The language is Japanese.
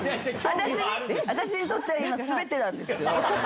私にとっては今全てなんですよ。